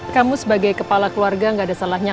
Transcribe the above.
kamu sebagai kepala keluarga gak ada salahnya